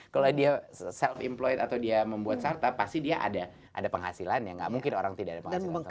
kalau dia self employd atau dia membuat startup pasti dia ada penghasilan yang nggak mungkin orang tidak ada penghasilkan